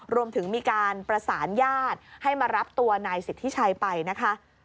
รวมถึงมีการประสานญาติให้มารับตัวนายสิทธิชัยไปนะคะ